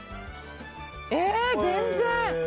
えー、全然。